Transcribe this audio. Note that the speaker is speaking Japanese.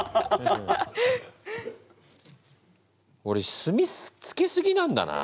おれ墨つけすぎなんだな。